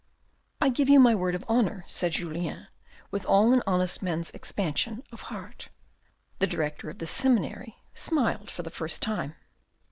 " I give you my word of honour," said Julien, with all an honest man's expansion of heart. The director of the seminary smiled for the first time.